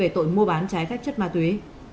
tội mua bán trái phép chất ma túy